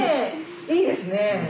いいですね。